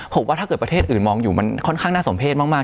ผมว่าถ้าเกิดประเทศอื่นมองอยู่มันค่อนข้างน่าสมเพศมาก